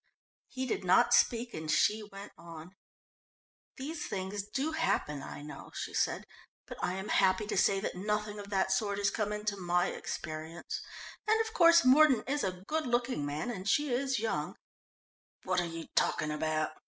He did not speak and she went on. "These things do happen, I know," she said, "but I am happy to say that nothing of that sort has come into my experience, and, of course, Mordon is a good looking man and she is young " "What are you talking about?"